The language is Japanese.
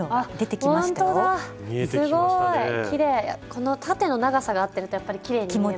この縦の長さが合ってるとやっぱりきれいに見えますね。